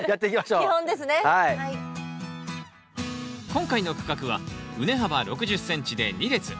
今回の区画は畝幅６０ｃｍで２列。